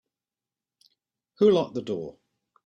Who locked the door?